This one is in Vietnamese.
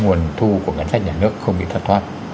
nguồn thu của ngân sách nhà nước không bị thất thoát